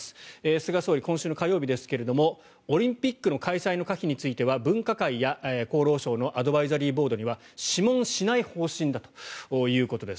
菅総理、今週の火曜日ですがオリンピックの開催の可否については分科会や、厚労省のアドバイザリーボードには諮問しない方針だということです。